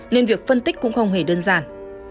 nên việc phân tích cũng không hề đơn giản